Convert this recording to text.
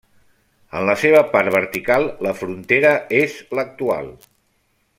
En la seva part vertical, la frontera és l'actual.